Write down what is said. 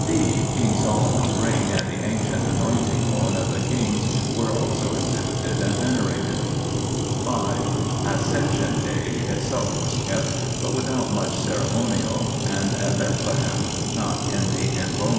(d) King Solomon's ring and the ancient anoint ing horn of the kings were also exhibited and venerated. 5. Ascension Day itself was kept, but without much ceremonial, and at Bethlehem, not in the Imbomon, 1 See Bernard, p.